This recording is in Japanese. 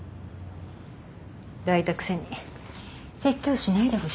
抱いたくせに説教しないでほしいわね。